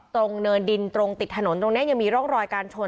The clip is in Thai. เนินดินตรงติดถนนตรงนี้ยังมีร่องรอยการชน